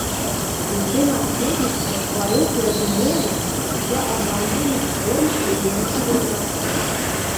Уздым асветніцтва стварыў перадумовы для абнаўлення формы і зместу літаратуры.